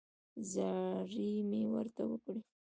زارۍ مې ورته وکړې.